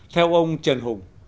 theo ông trần hùng